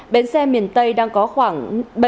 bến xe miền tây đang có khoảng